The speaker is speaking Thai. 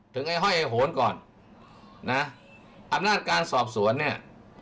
ไอ้ห้อยไอ้โหนก่อนนะอำนาจการสอบสวนเนี่ย